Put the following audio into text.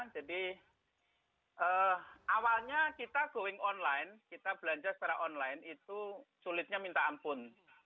jadi awalnya kita going online kita belanja secara online itu sulitnya minta ampun